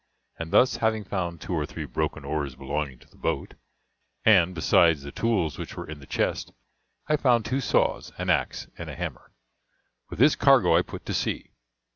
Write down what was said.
And thus, having found two or three broken oars belonging to the boat and, besides the tools which were in the chest, I found two saws, an axe, and a hammer with this cargo I put to sea.